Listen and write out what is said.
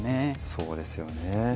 そうですよね。